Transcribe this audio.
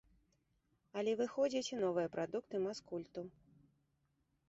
Але выходзяць і новыя прадукты маскульту.